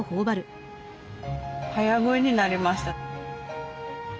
早食いになりました。